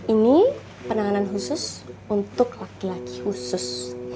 ini penanganan khusus untuk laki laki khusus